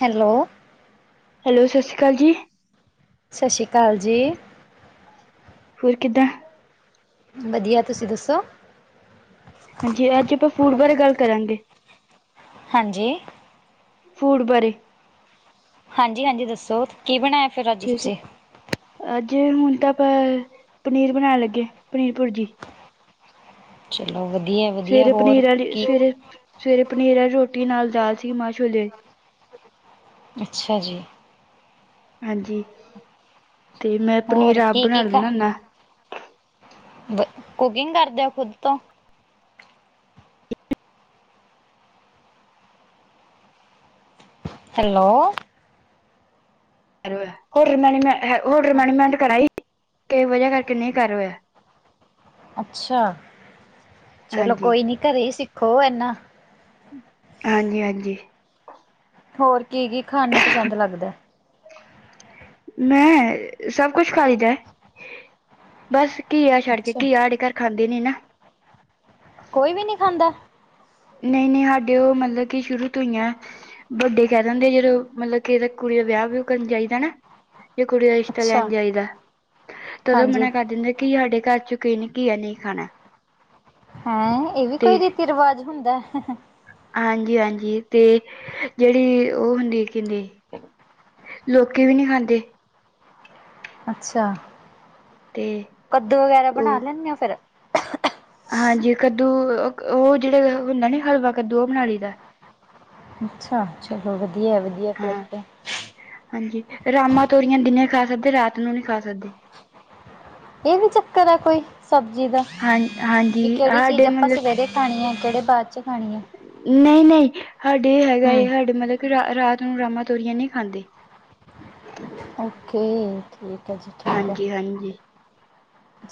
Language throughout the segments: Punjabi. ਹੈਲੋ ਹੈਲੋ ਸਤਿ ਸ਼੍ਰੀ ਅਕਾਲ ਜੀ। ਸਤਿ ਸ਼੍ਰੀ ਅਕਾਲ ਜੀ। ਹੋਰ ਕਿੱਦਾਂ। ਵਧੀਆ ਤੁਸੀਂ ਦੱਸੋ। ਹਾਂਜੀ ਅੱਜ ਆਪਾਂ ਫੂਡ ਬਾਰੇ ਗੱਲ ਕਰਾਂਗੇ। ਹਾਂਜੀ ਫੂਡ ਬਾਰੇ ਹਾਂਜੀ-ਹਾਂਜੀ ਦੱਸੋ ਕੀ ਬਣਾਇਆ ਫਿਰ ਅੱਜ ਠੀਕ ਹੈ ਤੁਸੀਂ ਅੱਜ ਹੁਣ ਤਾਂ ਆਪਾਂ ਪਨੀਰ ਬਣਾਉਣ ਲੱਗੇ ਪਨੀਰ ਭੁਰਜੀ ਚਲੋ ਵਧੀਆ ਵਧੀਆ ਸਵੇਰੇ ਹੋਰ ਪਨੀਰ ਵਾਲੀ ਕੀ ਸਵੇਰੇ ਸਵੇਰੇ ਪਨੀਰ ਵਾਲੀ ਰੋਟੀ ਨਾਲ ਦਾਲ ਸੀ ਮਾਂ ਛੋਲੇ ਅੱਛਾ ਜੀ। ਹਾਂਜੀ ਤੇ ਮੈਂ ਪਨੀਰ ਹੋਰ ਆਪ ਕੀ ਬਣਾ ਕੀ ਖਾ ਲਿੰਦਾ ਹੁਨਾ। ਕੁਕਿੰਗ ਕਰਦੇ ਓ ਖੁਦ ਤੋਂ ਹੈਲੋ ਹੋਟਲ ਮੈਨਜ ਹੋਟਲਮੈਨੇਜਮੈਂਟ ਕਰਾਈ ਕਿਸੇ ਵਜ੍ਹਾ ਕਰਕੇ ਨਹੀਂ ਕਰ ਹੋਇਆ। ਅੱਛਾ ਚਲੋ ਹਾਂਜੀ ਕੋਈ ਨੀ ਘਰੇ ਸਿੱਖੋ ਇਹਨਾ ਹਾਂਜੀ- ਹਾਂਜੀ ਹੋਰ ਕੀ -ਕੀ ਖਾਣ ਨੂੰ ਪਸੰਦ ਲੱਗਦਾ। ਮੈਂ, ਸਭ ਕੁਛ ਖੀਦਾ ਬੱਸ ਕੀਆ ਛੱਡ ਕੇ ਅੱਛਾ ਕੀਆ ਆਡੇ ਘਰ ਖਾਂਦੇ ਨਹੀਂ ਨਾ। ਕੋਈ ਵੀ ਨਹੀਂ ਖਾਂਦਾ। ਨਹੀਂ- ਨਹੀਂ ਸਾਡੇ ਉਹ ਮਤਲਬ ਕਿ ਸ਼ੁਰੂ ਤੋਂ ਹੀ ਆਂ। ਵੱਡੇ ਕਹਿ ਦਿੰਦੇ ਆ ਜਦੋਂ ਮਤਲਬ ਕਿ ਕੁੜੀ ਦਾ ਵਿਆਹ ਵੀਉ ਕਰਨ ਜਾਹੀ ਦਾ ਨਾ ਜ ਕੁੜੀ ਦਾ ਰਿਸ਼ ਅੱਛਾ ਲੈਣ ਜਾਈ ਦਾ ਤੇ ਉਹਦੋਂ ਹਾਂਜੀ ਮਨਾ ਕਰ ਦਿੰਦਾ ਕੀ ਸਾਡੇ ਘਰ 'ਚ ਕਿਹੇ ਘੀਆ ਨਹੀਂ ਖਾਣਾ। ਹੈਂ ਇਹ ਵੀ ਕੋਈ ਤੇ ਰੀਤੀ ਰਿਵਾਜ ਹੁੰਦਾ। [inaudible] ਹਾਂਜੀ- ਹਾਂਜੀ ਤੇ ਜਿਹੜੀ ਉਹ ਹੁੰਦੀ ਕਹਿੰਦੇ ਲੋਕੀ ਵੀ ਨਹੀਂ ਖਾਂਦੇ। ਅੱਛਾ ਤੇ ਕੱਦੂ ਵਗੈਰਾ ਬਣਾ ਉਹ ਲੈਂਦੇ ਹੋ ਫਿਰ ਹਾਂਜੀ ਕੱਦੂ ਉਹ ਜਿਹੜੇ ਹੁੰਦਾ ਨੀ ਹਲਵਾ ਕੱਦੂ ਉਹ ਬਣਾ ਲਈ ਦਾ ਅੱਛਾ ਚਲੋ ਵਧੀਆ -ਵਧੀਆ ਫਿਰ ਹਾਂ ਤੇ ਹਾਂਜੀ ਰਾਮਾਂ ਤੋਰੀਆਂ ਦਿਨੇ ਖਾ ਸਕਦੇ ਰਾਤ ਨੂੰ ਨੀ ਖਾ ਸਕਦੇ। ਇਹ ਵੀ ਚੱਕਰ ਆ ਕੋਈ ਸਬਜ਼ੀ ਦਾ ਹਾਂ ਹਾਂਜੀ ਵੀ ਕਿਹੜੀ ਚੀਜ਼ ਹਾਡੇ ਆਪਾਂ ਮਤਲਬ ਸਵੇਰੇ ਖਾਣੀ ਹੈ ਕਿਹੜੇ ਬਾਅਦ 'ਚ ਖਾਣੀ ਆ। ਨਹੀਂ- ਨਹੀਂ ਸਾਡੇ ਹੈਗਾ ਹਮ ਸਾਡੇ ਮਤਲਬ ਕਿ ਰਾਤ ਨੂੰ ਰਾਮਾਂ ਤੋਰੀਆਂ ਨਹੀਂ ਖਾਂਦੇ। ਓਕੇ ਠੀਕ ਹੈ ਜੀ ਠੀਕ ਹੈ। ਹਾਂਜੀ ਹਾਂਜੀ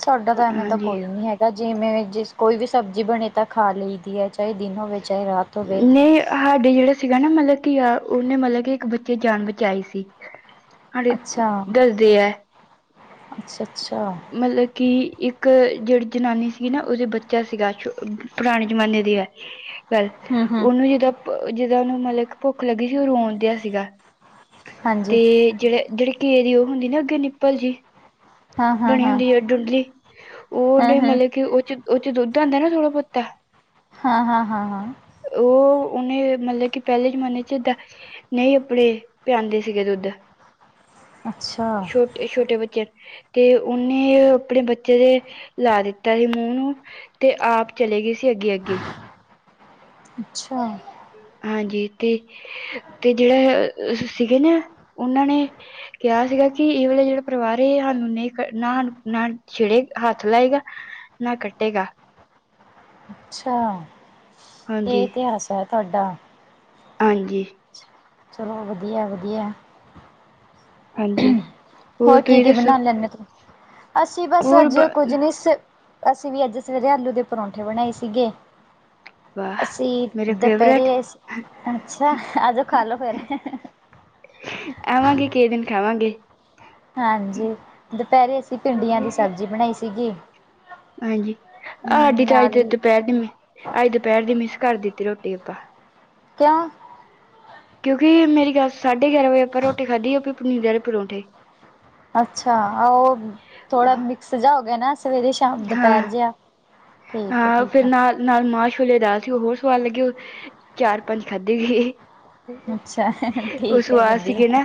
ਸਾਡਾ ਤਾਂ ਐਵੇਂ ਤਾਂ ਹਾਂਜੀ ਕੋਈ ਨੀ ਹੈਗਾ ਜਿਵੇਂ ਜਿਸ ਕੋਈ ਵੀ ਸਬਜ਼ੀ ਬਣੇ ਤਾਂ ਖਾ ਲਈ ਦੀ ਹੈ। ਚਾਹੇ ਦਿਨ ਹੋਵੇ ਚਾਹੇ ਰਾਤ ਹੋਵੇ। ਨਹੀਂ ਸਾਡੇ ਜਿਹੜਾ ਸੀਗਾ ਨਾ ਮਤਲਬ ਕਿ ਆ ਉਹਨੇ ਮਤਲਬ ਕਿ ਇੱਕ ਬੱਚੇ ਜਾਨ ਬਚਾਈ ਸੀ। ਸਾਡੇ ਅੱਛਾ ਦੱਸਦੇ ਹੈ -ਅੱਛਾ -ਅੱਛਾ। ਮਤਲਬ ਕਿ ਇੱਕ ਜਿਹੜੀ ਜਨਾਨੀ ਸੀਗੀ ਨਾ ਉਹਦੇ ਬੱਚਾ ਸੀਗਾ ਪੁਰਾਣੇ ਜ਼ਮਾਨੇ ਦੀ ਹੈ। [inaudible] ਗੱਲ ਹਮ ਹਮ ਉਹਨੂੰ ਜਿਦਾਂ -ਜਿੱਦਾਂ ਉਹਨੂੰ ਮਤਲਬ ਕਿ ਭੁੱਖ ਲੱਗੀ ਸੀ ਉਹ ਰੋਂਣ ਦਿਆਂ ਸੀਗਾ। ਹਾਂਜੀ ਤੇ ਜਿਹੜੇ -ਜਿਹੜੇ ਘੇ ਦੀ ਉਹ ਹੁੰਦੀ ਨਾ ਅੱਗੇ ਨਿੱਪਲ ਜੀ। ਹਾਂ ਹਾਂ ਬਣੀ ਹਾਂ ਹੁੰਦੀ ਹੈ ਡੁੰਢਲੀ ਉਹਨੇ ਹਮ ਹਮ ਮਤਲਬ ਕਿ ਉਹ ਚ ਉਹ ਚ ਦੁੱਧ ਆਉਂਦਾ ਨਾ ਥੋੜਾ ਭੋਤਾ। ਹਾਂ ਹਾਂ ਹਾਂ ਹਾਂ। ਉਹ ਉਹਨੇ ਮਤਲਬ ਕਿ ਪਹਿਲੇ ਜਮਾਨੇ ਚ ਨਹੀਂ ਆਪਣੇੇ ਪਿਆਂਦੇ ਸੀਗੇ ਦੁੱਧ। ਅੱਛਾ। ਛੋਟੇ ਛੋਟੇ ਬੱਚੇ ਤੇ ਉਹਨੇ ਆਪਣੇ ਬੱਚੇ ਦੇ ਲਾ ਦਿੱਤਾ ਸੀ ਮੂੰਹ ਨੂੰ ਤੇ ਆਪ ਚਲੇ ਗਏ ਸੀ ਅੱਗੇ ਅੱਗੇ। ਅੱਛਾ। ਹਾਂਜੀ ਤੇ ਤੇ ਜਿਹੜਾ ਸੀਗੇ ਨਾ ਉਹਨਾਂ ਨੇ ਕਿਹਾ ਸੀਗਾ ਕਿ ਇਹ ਵਾਲੇ ਜਿਹੜਾ ਪਰਿਵਾਰ ਸਾਨੂੰ ਨਹੀਂ ਨਾ ਨਾ ਛੇੜ੍ਹੇ ਹੱਥ ਲਾਏਗਾ ਨਾ ਕੱਟੇਗਾ। ਅੱਛਾ ਇਹ ਹਾਂਜੀ ਇਤਿਹਾਸ ਹੈ ਤੁਹਾਡਾ। ਹਾਂਜੀ। ਚਲੋ ਵਧੀਆ ਵਧੀਆ। ਹਾਂਜੀ। ਹੋਰ ਕੀ ਤੁਸੀਂ ਕੀ ਦੱਸੋ ਬਣਾ ਲੈਂਦੇ ਅਸੀਂ ਬਸ ਹੋਰ ਅੱਜ ਕੁੱਝ ਨਹੀਂ ਅਸੀਂ ਵੀ ਅੱਜ ਸਵੇਰੇ ਆਲੂ ਦੇ ਪਰੌਂਠੇ ਬਣਾਏ ਸੀਗੇ। ਵਾਹ ਅਸੀਂ ਮੇਰੇ ਫੇਵਰੇਟ ਦੁਪਹਿਰੇ ਅੱਛਾ ਅਜੋ ਖਾਲੋ ਫੇਰ। ਆਵਾਂਗੇ ਕਿਹੇ ਦਿਨ ਖਾਵਾਂਗੇ। ਹਾਂਜੀ ਦੁਪਹਿਰੇ ਅਸੀਂ ਭਿੰਡੀਆਂ ਦੀ ਸਬਜ਼ੀ ਬਣਾਈ ਸੀਗੀ। ਹਾਂਜੀ ਸਾਡੀ ਤਾਂ ਨਾਲ ਅੱਜ ਦੁਪਹਿਰ ਦੀ ਅੱਜ ਦੁਪਹਿਰ ਦੀ ਮਿਸ ਕਰ ਦਿੱਤੀ ਰੋਟੀ ਆਪਾਂ। ਕਿਉ। ਕਿਉਂਕਿ ਮੇਰੀ ਗੱਲ ਸਾਢੇ ਗਿਆਰਾਂ ਵਜੇ ਆਪਾਂ ਰੋਟੀ ਖਾਧੀ ਆ ਆਪ ਪਨੀਰ ਵਾਲੇ ਪਰੋਂਂਠੇ। ਅੱਛਾ ਉਹ ਥੋੜਾ ਮਿਕਸ ਜਾ ਹੋ ਗਿਆ ਸੀ ਨਾ। ਸਵੇਰੇ ਸ਼ਾਮ ਹਾਂ ਦੁਪਹਿਰ ਜਿਹਾ ਠੀਕ ਹੈ ਹਾਂ ਠੀਕ ਫਿਰ ਆ। ਨਾਲ ਨਾਲ ਮਾਂ ਛੋਲਿਆਂ ਦੀ ਦਾਲ ਸੀ ਉਹ ਹੋਰ ਸਵਾਦ ਲੱਗੇ ਉਹ ਚਾਰ ਪੰਜ ਖਾਧੇ ਗਏ। ਅੱਛਾ ਉਹ ਠੀਕ ਹੈ ਸਵਾਦ ਵਧੀਆ। ਸੀਗੇ ਨਾ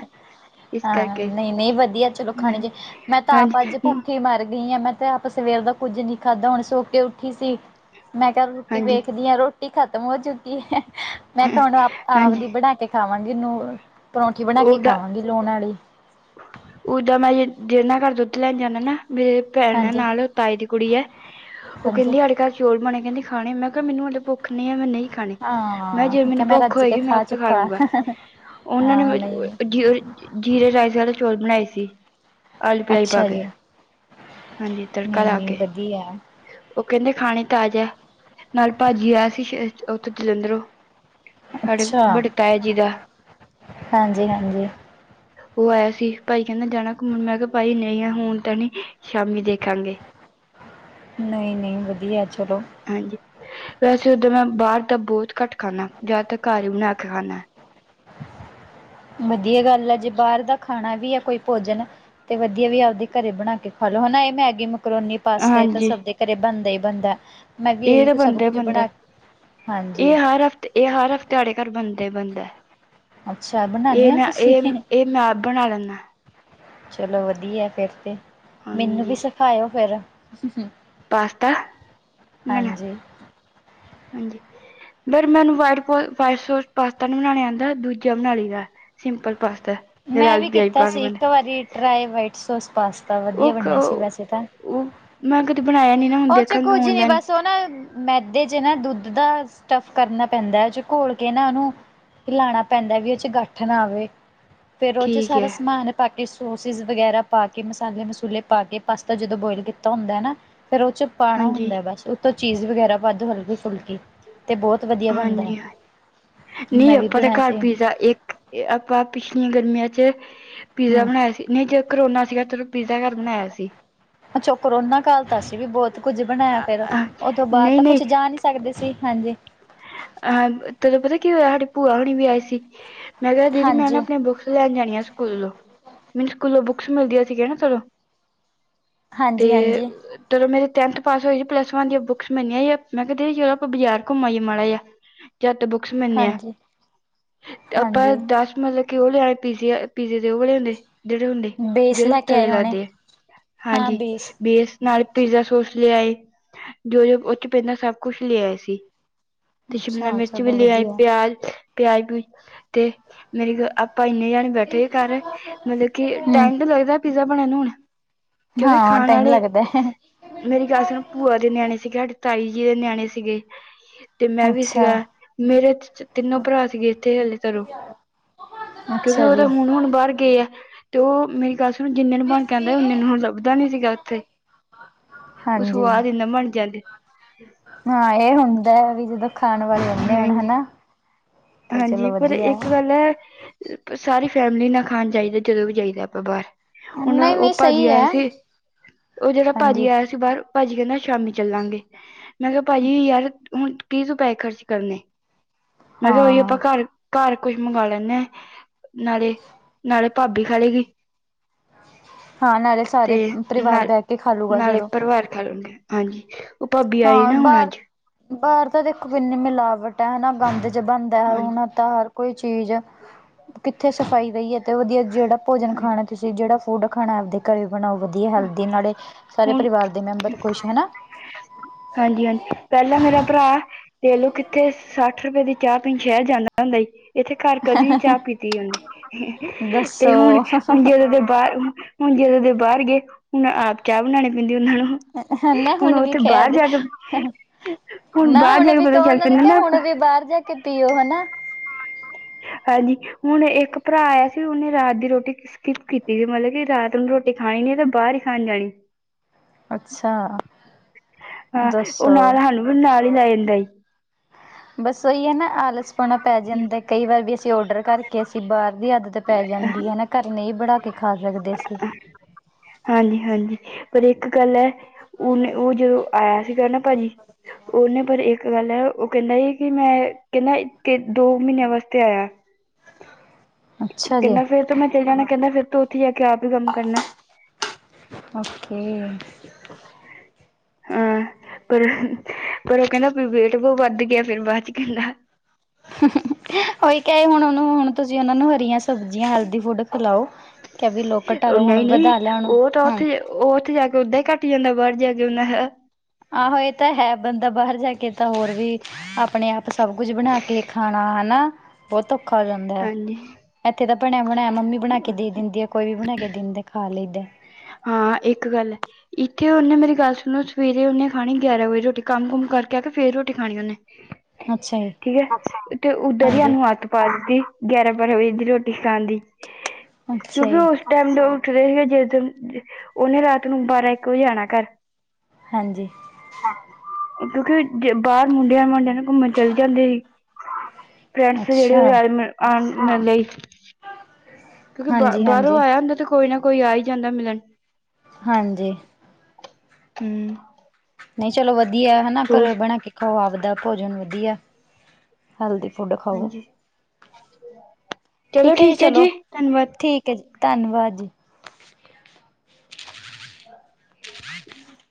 ਇਸ ਹਾਂ ਕਰਕੇ ਨਹੀਂ ਨਹੀਂ ਵਧੀਆ ਚਲੋ ਖਾਣੀ ਜੇ ਮੈਂ ਤਾਂ ਆਪ ਅੱਜ ਹਾਂਜੀ ਭੁੱਖੇ ਮਰ ਗਈ ਆ ਮੈਂ। ਆਪਾਂ ਸਵੇਰ ਦਾ ਕੁੱਝ ਨੀ ਖਾਧਾ ਹੁਣ ਸੋ ਕੇ ਉੱਠੀ ਸੀ ਮੈਂ ਕਿਹਾ ਰੋਟੀ ਹਾਂਜੀ ਵੇਖਦੀ ਆਂ ਰੋ। ਰੋਟੀ ਖਤਮ ਹੋ ਚੁੱਕੀ ਹੈ ਮੈਂ ਕਿਹਾ ਹੁਣ ਆਪ ਹਾਂਜੀ ਆਪਦੀ ਬਣਾ ਕੇ ਖਾਵਾਂਗੀ ਨੂਰ। ਪਰੌਂਠੀ ਬਣਾ ਕੇ ਉਹਦਾ ਖਾਵਾਂਗੀ ਲੂਹਨ ਵਾਲੀ। ਉਦਾਂ ਮੈਂ ਜਿਹਨਾ ਘਰ ਦੁੱਧ ਲੈਣ ਜਾਂਦਾ ਨਾ ਮੇਰੇ ਭੈਣ ਹੈ ਹਾਂਜੀ ਨਾਲ ਤਾਈ ਦੀ ਕੁੜੀ ਹੈ ਉਹ ਹਾਂਜੀ ਕਹਿੰਦੀ ਸਾਡੇ ਘਰ ਚੋਲ ਬਣੇ ਕਹਿੰਦੇ ਖਾਣੇ ਮੈਂ ਕਿਹਾ ਮੈਨੂੰ ਹੱਲੇ ਭੱਖ ਨਹੀਂ ਮੈਂ ਨਹੀਂ। ਖਾਣੀ ਮੈਂ ਕਿਹਾ ਜੇ ਹਾਂ ਕਿ ਮੈਨੂੰ ਭੁੱਖ ਰੱਜ ਕੇ ਹੋਏਗੀ ਮੈਂ ਆਪੇ ਖਾ ਚੁੱਕਾ। ਲੂੰਗਾ। ਉਹਨਾਂ ਹਾਂ ਨੇ ਨਹੀਂ ਜੀਰੇ ਰਾਇਸ ਵਾਲੇ ਚੌਲ ਬਣਾਏ ਸੀ। ਆਲੂ ਪਿਆਜ ਪਾ ਅੱਛਾ ਕੇ ਜੀ ਹਾਂਜੀ ਤੜਕਾ ਲਾ ਕੇ। ਦੀਆ। ਉਹ ਕਹਿੰਦੇ ਖਾਣੇ ਆਜਾ ਨਾਲ ਭਾਜੀ ਆਇਆ ਸੀ ਉੱਥੇ ਜਲੰਧਰੋਂ। ਸਾਡੇ ਅੱਛਾ ਬੜ੍ਹੇ ਤਾਇਆ ਜੀ ਦਾ। ਹਾਂਜੀ ਹਾਂਜੀ ਉਹ ਆਇਆ ਸੀ ਭਾਈ ਕਹਿੰਦਾ ਜਾਣਾ ਘੁੰਮਣ ਮੈਂ ਕਿਹਾ ਭਾਈ ਨਹੀਂ ਆ ਹੁਣ ਤਾਂ ਨੀ ਸ਼ਾਮੀ ਦੇਖਾਂਗੇ। ਨਹੀਂ ਨਹੀਂ ਵਧੀਆ ਚਲੋ। ਹਾਂਜੀ ਵੈਸੇ ਉਦਾ ਮੈਂ ਬਾਹਰ ਤਾਂ ਬਹੁਤ ਘੱਟ ਖਾਂਦਾ ਜ਼ਿਆਦਾਤਰ ਘਰ ਹੀ ਬਣਾ ਕੇ ਖਾਂਦਾ। ਵਧੀਆ ਗੱਲ ਆ ਜੇ ਬਾਹਰ ਦਾ ਖਾਣਾ ਵੀ ਹੈ ਕੋਈ ਭੋਜਨ ਤੇ ਵਧੀਆ ਵੀ ਆਪਦੇ ਘਰੇ ਬਣਾ ਕੇ ਖਾ ਲੋ ਹਨਾ ਇਹ ਮੈਗੀ ਮਕਰੋਨੀ ਪਾਸਤਾ ਇਹ ਤਾਂ ਹਾਂਜੀ ਸਭ ਦੇ। ਘਰੇ ਬਣਦਾ ਹੀ ਬਣਦਾ ਮੈਂ ਵੀ ਇਹ ਇਹੀ ਤਾਂ ਸਭ ਬਣਦਾ ਕੁੱਝ ਬਣਾ ਹਾਂਜੀ। ਤੇ ਇਹ ਹਰ ਹਫ਼ਤੇ ਸਾਡੇ ਘਰ ਬਣਦਾ ਹੀ ਬਣਦਾ ਅੱਛਾ ਇਹ ਬਣਾਉਦੇ ਹੋ ਮੈ ਤੁਸੀਂ ਇਹ ਇਹ ਮੈ ਬਣਾ [unintelligible] ਲੈਂਦਾ। ਚਲੋ ਵਧੀਆ ਫੇਰ ਤੇ ਮੈਨੂੰ ਵੀ ਹਾਂਜੀ ਸਿਖਾਇਓ ਫੇਰ। ਪਾਸਤਾ ਨ ਨਾ। ਫਿਰ ਮੈਨੂੰ ਵਾਈਟ ਸੋਂਸ ਪਾਸਤਾ ਨੀ ਬਣਾਉਆ ਆਉਦਾ ਦੂਜਾ ਬਣਾ ਲਈ ਦਾ। ਸਿੰਪਲ ਪਾਸਤਾ ਜਿਹੜਾ ਮੈ ਵੀ ਆਲੂ ਪਿਆਜ ਕੀਤਾ ਪਾ ਕੇ ਸੀ ਇਕ ਬਣਦਾ ਵਾਰੀ ਟਰਾਈ ਵਾਈਟ ਸੋਸ ਪਾਸਤਾ ਵਧੀਆ ਬਣਿਆ ਸੀ ਉਹ ਵੈਸੇ ਤਾਂ ਉਹ ਮੈਂ ਕਦੀ ਬਣਾਇਆ ਨੀ ਨਾ ਹੁਣ ਉਹ 'ਚ ਦੇਖਾਂਗੇ ਕੁੱਝ ਨੀ ਔਨਲਾਈਨ ਬਸ ਉਹ ਨਾ ਮੈਦੇ 'ਚ ਨਾ ਦੁੱਧ ਦਾ ਸਟੱਫ ਕਰਨਾ ਪੈਂਦਾ ਹੈ 'ਚ ਘੋਲ ਕੇ ਨਾ ਉਹਨੂੰ ਲਾਣਾ ਪੈਂਦਾ ਵੀ ਉਹ 'ਚ ਗੱਠ ਨਾ ਆਵੇ ਫਿਰ ਉਹਦੇ 'ਚ ਠੀਕ ਹੈ ਸਾਰਾ ਸਮਾਨ ਪਾਕੇ ਸੋਸਿਸ ਵਗੈਰਾ ਪਾ ਕੇ ਮਸਾਲੇ ਮਸੂਲੇ ਪਾ ਕੇ ਪਾਸਤਾ ਜਦੋਂ ਬੋਇਲ ਕੀਤਾ ਹੁੰਦਾ ਨਾ ਫਿਰ ਉਹ 'ਚ ਪਾਂਣਾ ਹਾਂਜੀ ਹੁੰਦਾ ਹੈ ਬਸ ਉਤੋਂ ਚੀਜ਼ ਵਗੈਰਾ ਪਾ ਦੋ ਹਲਕੀ ਫੁਲਕੀ ਤੇ ਬਹੁਤ ਵਧੀਆ ਬਣਦਾ ਹਾਂਜੀ ਹਾਂ ਨਹੀਂ ਮੈਂ ਵੀ ਆਪਾਂ ਤਾ ਬਣਾਇਆ ਘਰ ਸੀ ਪੀਜ਼ਾ ਇੱਕ ਇਹ ਆਪਾਂ ਪਿਛਲੀਆਂ ਗਰਮੀਆਂ 'ਚ ਪੀਜ਼ਾ ਹੂੰ ਬਣਾਇਆ ਸੀ ਨਹੀਂ ਕਰੋਨਾ ਸੀਗਾ ਤੇ ਪੀਜ਼ਾ ਘਰ ਬਣਾਇਆ ਸੀ। ਅੱਛਾ ਕਰੋਨਾ ਕਾਲ ਤਾਂ ਸੀ ਵੀ ਬਹੁਤ ਕੁੱਝ ਬਣਾਇਆ ਫੇਰ ਉਹ ਤੋ ਬਾਅਦ ਨਹੀਂ ਤਾਂ ਨਹੀਂ ਕੁੱਛ ਜਾ ਨ ਸਕਦੇ ਸੀ ਹਾਂਜੀ। ਹਾਂ ਤੈਨੂੰ ਪਤਾ ਕੀ ਹੋਇਆ ਸਾਡੀ ਭੂਆ ਹੋਣੀ ਵੀ ਆਈ ਸੀ ਮੈਂ ਕਿਹਾ ਦੀਦੀ ਮੈਂ ਨਾ ਹਾਂਜੀ ਆਪਣੇ ਬੁੱਕ ਲੈਣ ਜਾਣੀਆਂ ਸਕੂਲੋਂ ਮੈਨੂੰ ਸਕੂਲੋਂ ਬੁੱਕਸ ਮਿਲਦੀਆਂ ਸੀਗੀਆਂ ਨਾ ਤੇ ਹਾਂਜੀ ਹਾਂਜੀ ਚਲੋ ਮੇਰੇ ਟੈਂਨਥ ਪਾਸ ਹੋਈ ਸੀ ਪਲੱਸ ਵਨ ਦੀਆਂ ਬੂਕਸ ਮਿਲਿਆ ਸੀ ਮੈਂ ਕਿਹਾ ਸੀ ਚਲੋ ਆਪਾਂ ਬਾਜ਼ਾਰ ਕੋ ਘੁੰਮ ਆਈਏ ਮਾੜਾ ਆ ਜਤ ਬੁੱਕਸ ਮਿਲਣੀਆਂ ਹਾਂਜੀ ਤੇ ਆਪਾਂ ਹਾਂਜੀ ਦਸ ਮਤਲਬ ਕਿ ਉਹ ਲਿਆਣੇ ਪੀਜ਼ੇ- ਪੀਜ਼ੇ ਦੇ ਉਹ ਲਿਆਣੇ ਜਿਹੜੇ ਹੁੰਦੇ ਬੇਸ ਜਿਹੜੇ ਵੀ ਲੈ ਕੇ ਥੱਲੇ ਆਏ ਹੋਣੇ ਲੱਗਦੇ ਹੈ ਹਾਂਜੀ ਬੇਸ ਨਾਲ ਪੀਜ਼ਾ ਸੋਸ ਲਿਆਏ ਜੋ- ਜੋ ਉਹ 'ਚ ਪੈਂਦਾ ਸਭ ਕੁਛ ਲਿਆਏ ਸੀ। ਤੇ ਸ਼ਿਮਲਾ ਅੱਛਾ ਮਿਰਚ ਵੀ ਚਲੋ ਲੈ ਆਈ ਵਧੀਆ ਪਿਆਜ ਪਿਉਜ ਤੇ ਮੇਰੀ ਆਪਾਂ ਇਨੇ ਜਾਣੇ ਬੈਠੇ ਕਰ ਮਤਲਬ ਕਿ ਹੂੰ ਟਾਈਮ ਤਾਂ ਲੱਗਦਾ ਪੀਜ਼ਾ ਬਣਣ ਨੂੰ ਹੁਣ ਕਿਉਕਿ ਹਾਂ ਖਾਣ ਟਾਈਮ ਆਲੇ ਲੱਗਦਾ ਮੇਰੀ ਗੱਲ ਸੁਣ ਭੂਆ ਦੇ ਨਿਆਣੇ ਸੀਗੇ ਸਾਡੇ ਤਾਈ ਜੀ ਦੇ ਨਿਆਣੇ ਸੀਗੇ। ਤੇ ਮੈ ਵੀ ਸੀਗਾ ਅੱਛਾ ਮੇਰੇ ਤਿੰਨੋਧ੍ਹ ਭਰਾ ਸੀਗੇ ਇਥੇ ਹਲੇ ਘਰੋ- ਕਿਉਕਿ ਅੱਛਾ ਉਹ ਜੀ, ਤਾਂ ਹੁਣ- ਹੁਣ ਬਾਹਰ ਗਏ ਆ ਤੇ ਉਹ ਮੇਰੀ ਗੱਲ ਜਿਨੇ ਨੂੰ ਬਣ ਕੇ ਆਂਦਾ ਓਨੇ ਨੂੰ ਲੱਭਦਾ ਨ ਸੀਗਾ ਉਥੇ ਉਹ ਹਾਂਜੀ। ਸੁਵਾਦ ਇਨਾ ਬਣ ਜਾਂਦੇ ਹਾਂ ਇਹ ਹੁੰਦਾ ਹੈ ਵੀ ਜਦੋ ਖਾਣ ਵਾਲ ਇਨੇ ਹੋਣ ਹਾਂਜੀ ਹਨਾ। ਤੇ ਹਾਂਜੀ ਚਲੋ ਪਰ ਵਧੀਆ ਇੱਕ ਹੈ, ਗੱਲ ਹੈ ਸਾਰੀ ਫੈਮਿਲੀ ਨਾਲ ਖਾਣ ਬਾਹਰ ਜਾਈਦਾ ਜਦੋ ਵੀ ਜਾਈਦਾ ਆਪਾਂ ਬਾਹਰ ਹੁਣ ਉਹ ਨਹੀਂ-ਨਹੀਂ ਭਾਜੀ ਸਹੀ ਆਇਆ ਹੈ, ਸੀ ਉਹ ਜਿਹੜਾ ਹਾਂਜੀ। ਭਾਜੀ ਆਇਆ ਸੀ ਬਾਹਰ ਭਾਜੀ ਕਹਿਦਾ ਸ਼ਾਮੀ ਚੱਲਾਂਗੇ ਮੈ ਕਿਹਾ ਭਾਜੀ ਯਾਰ ਹੁਣ ਕੀ ਤੂੰ ਪੈਹੇ ਖਰਚ ਕਰਨੇ ਮੈਂ ਕਿਹਾ ਉਹੀਏ ਆਪਾਂ ਹਾਂ, ਘਰ ਘਰ ਕੁਛ ਮੰਗਾਂ ਲੈਣੇ ਆ ਨਾਲੇ- ਨਾਲੇ ਭਾਬੀ ਖਾ ਲੇ ਗੀ। ਹਾਂ ਨਾਲੇ ਤੇ ਸਾਰੇ ਪਰਿਵਾਰ ਨਾਲ ਬਹਿ ਕੇ ਖਾ ਲੂਗਾ ਨਾਲੇ ਚਲੋ, ਪਰਿਵਾਰ ਖਾ ਲੂ ਗੇ। ਹਾਂਜੀ ਉਹ ਭਾਬੀ ਆਏ ਹਾਂ ਨਾ ਹੁਣ ਬਾਹਰ- ਅੱਜ ਬਾਹਰ ਤਾਂ ਦੇਖੋ ਇਨੀ ਮਿਲਾਵਟ ਹੈ। ਹਨਾ ਬੰਦ 'ਚ ਬੰਦ ਹਾਂਜੀ ਤਾਂ ਹਰ ਕੋਈ ਚੀਜ਼ ਕਿੱਥੇ ਸਫ਼ਾਈ ਰਹੀ ਹੈ ਤੇ ਵਧੀਆ ਜਿਹੜਾ ਭੋਜਨ ਹਾਂਜੀ ਖਾਣਾ ਤੁਸੀ ਜਿਹੜਾ ਫੂਡ ਖਾਣਾ ਆਪਦੇ ਘਰ ਵੀ ਬਣਾਓ ਵਧੀਆ ਹੈਲਦੀ ਨਾਲੇ ਸਾਰੇ ਪਰਿਵਾਰ ਦੇ ਮੈਂਬਰ ਖੁਸ਼ ਹਨਾ। ਹਾਂਜੀ-ਹਾਂਜੀ ਪਹਿਲਾਂ ਮੇਰਾ ਭਰਾ ਤੇਲੂ ਕਿਥੇ ਸੱਠ ਰੁਪਏ ਦੀ ਚਾਹ ਪੀਣ ਸ਼ਹਿਰ ਜਾਂਦਾ ਹੁੰਦਾ ਹੀ। ਇਥੇ ਘਰ ਕਦੋਂ ਨੀ ਚਾਹ ਪੀਤੀ ਉਹਨੇ ਤੇ ਹੁਣ- ਦੱਸੋ ਹੁਣ ਜਦੋਂ ਦੇ ਬਾਹਰ ਹੁਣ ਜਦੋਂ ਦੇ ਬਾਹਰ ਗਏ ਹੁਣ ਆਪ ਚਾਹ ਬਨਾਣੀ ਪੈਂਦੀ ਉਹਨਾਂ ਨੂੰ ਹੈਨਾ ਹੁਣ ਵੀ ਉੱਥੇ ਬਾਹਰ ਖੈਦ ਜਾ ਕੇ [inaudible] ਨਾ ਬਾਹਰ ਹੁਣ ਜਾ ਕੇ ਵੀ ਪਤਾ ਕਹੋ ਚੱਲ ਉਹਨਾਂ ਨੂੰ ਪੈਂਦਾ ਕੇ ਨਾ ਹੁਣ ਵੀ ਬਾਹਰ ਜਾ ਕੇ ਪੀਓ ਹਨਾ। ਹਾਂਜੀ ਹੁਣ ਏਕ ਭਰਾ ਆਇਆ ਸੀ ਉਹਨੇ ਰਾਤ ਦੀ ਰੋਟੀ ਸਕਿਪ ਕੀਤੀ ਸੀ ਮਤਲਬ ਕਿ ਰਾਤ ਨੂੰ ਰੋਟੀ ਖਾਣੀ ਨੀ ਤੇ ਬਾਹਰ ਈ ਖਾਣ ਜਾਣੀ। ਅੱਛਾ। ਹਾਂ ਦੱਸੋ। ਉਹ ਨਾਲ ਹੈ [unintelligible] ਹਾਨੂੰ ਨਾਲ ਈ ਲੈ ਜਾਂਦਾ ਈ। ਬਸ ਉਹੀ ਐ ਨਾ, ਆਲਸ ਪੁਣਾ ਪੈ ਜਾਂਦਾ। ਕਈ ਵਾਰ ਵੀ, ਅਸੀਂ ਔਡਰ ਕਰਕੇ ਅਸੀਂ ਬਾਹਰ ਦੀ ਆਦਤ ਪੈ ਜਾਂਦੀ ਹੈ, ਨਾ ਘਰ ਨਹੀਂ ਬਣਾ, ਕੇ ਖਾ ਸਕਦੇ ਅਸੀ। ਹਾਂਜੀ-ਹਾਂਜੀ। ਪਰ ਇੱਕ ਗੱਲ ਐ, ਉਹਨੇ ਉਹ ਜਦੋਂ ਆਇਆ, ਸੀ ਗਾ ਨਾ ਭਾਜੀ। ਉਹ ਨਾ, ਪਰ ਇਕ ਗੱਲ ਹੈ, ਉਹ ਕਹਿਦਾ ਸੀ, ਕਿ ਮੈ ਕਹਿੰਦਾ ਦੋ ਮਹੀਨਿਆਂ ਵਾਸਤੇ ਆਇਆ। [inaudible] ਅੱਛਾ ਜੀ ਕਹਿੰਦਾ, ਫੇਰ ਤੋ ਮੈ ਚਲੇ ਜਾਣਾ, ਕਹਿੰਦਾ ਫੇਰ ਤੇ ਉਥੇ ਜਾ ਕੇ ਆਪ ਹੀ ਕੰਮ ਕਰਨਾ ਓਕੇ ਹਾਂ, ਪਰ- ਪਰ ਉਹ ਕਹਿੰਦਾ ਬੀ ਵੇਟ ਵੱਧ ਗਿਆ ਫੇਰ, ਬਾਅਦ 'ਚ ਕਹਿਦਾ-। - ਉਹੀ, ਕਹਿ ਰਹੀ, ਉਹਨੂੰ ਹੁਣ, ਤੁਸੀ ਉਹਨਾਂ ਨੂੰ ਹਰੀਆਂ ਸਬਜ਼ੀਆਂ, ਹੈਲਦੀ ਫੁਡ ਖਿਲਾਓ ਉਹ ਨਈ-ਨਈ ਉਹ ਤਾਂ [unintelligible] ਉੱਥੇ ਉਹ ਉਥੇ ਜਾ ਕੇ, ਉਦਾਂ ਹੀ ਘੱਟ ਜਾਂਦਾ, ਬਾਹਰ ਜਾ ਕੇ ਉਹਨਾਂ ਹੈ ਆਹੋ, ਇਹ ਤਾਂ ਹੈ। ਬੰਦਾ ਬਾਹਰ ਜਾ ਕੇ ਤਾਂ, ਹੋਰ ਵੀ ਆਪਣੇ ਆਪ ਸਭ ਕੁਝ ਬਣਾ ਕੇ ਖਾਣਾ ਹਨਾ, ਬਹੁਤ ਔਖਾ ਹੋ ਜਾਂਦਾ ਹੈ। ਹਾਂਜੀ ਇਥੇ ਤਾਂ, ਬਣਿਆ ਬਣਾਇਆ, ਮੰਮੀ ਬਣਾ ਕੇ ਦੇ ਦਿੰਦੀ ਆ, ਕੋਈ ਵੀ ਬਣਾ ਕੇ ਦਿੰਦੇ ਖਾ ਲਈਦਾ ਹਾਂ, ਇੱਕ ਗੱਲ ਐ। ਇੱਥੇ, ਉਹਨੇ ਮੇਰੀ ਗੱਲ ਸੁਣੋ, ਸਵੇਰੇ ਉਹਨੇ ਖਾਣੀ ਗਿਆਰਾਂ ਵਜੇ, ਰੋਟੀ ਕੰਮ- ਕੁੰਮ ਕਰਕੇ ਆ ਕੇ, ਫੇਰ ਰੋਟੀ ਖਾਣੀ ਉਹਨੇ। ਅੱਛਾ ਜੀ ਠੀਕ ਹੈ, ਤੇ ਉਧਰ ਈ ਹਾਂਜੀ ਉਹਨੂੰ ਆਦਤ ਪਾਲਦੀ, ਗਿਆਰਾਂ ਬਾਰਾਂ ਵਜੇ ਦੀ, ਰੋਟੀ ਖਾਣ ਦੀ। ਅੱਛਾ ਕਿਉਂਕਿ ਜੀ ਉਹ ਟੈਮ ਨਾਲ ਉੱਠਦੇ ਹੀ, ਜਿਸ ਦਿਨ ਉਹਨੇ ਰਾਤ ਨੂੰ ਬਾਰਾਂ ਇੱਕ ਵਜੇ ਆਣਾ ਘਰ। ਹਾਂਜੀ। ਕਿਉਂਕਿ, ਉਹ ਬਾਹਰ ਮੁੰਡਿਆਂ- ਮਾਂਡਿਆਂ ਨਾਲ ਘੁੰਮਣ ਚਲ ਜਾਂਦੇ ਸੀ। ਅੱਛਾ [unintelligible] ਕਿਉਂਕਿ ਬ, ਹਾਂਜੀ ਬਾਹਰੋਂ ਹਾਂਜੀ ਆਇਆ ਹੁੰਦਾ, ਤੇ ਕੋਈ ਨਾ ਕੋਈ ਆ ਈ ਜਾਂਦਾ ਮਿਲਣ। ਹਾਂਜੀ। ਹਮ। ਨਹੀਂ ਚਲੋ, ਵਧੀਆ ਹਨਾ, ਹੋਰ ਘਰੇ ਬਣਾ ਕੇ ਖਾਉ ਆਵਦਾ ਭੋਜਨ ਵਧੀਆ। ਹੈਲਦੀ, ਫ਼ੂਡ ਖਾਓ। ਹਾਂਜੀ ਠੀਕ ਹੈ ਜੀ, ਚਲੋ ਠੀਕ ਹੈ, ਜੀ ਧੰਨਵਾਦ ਜੀ। [inaudible]